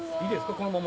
このまま。